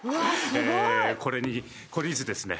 これに懲りずですね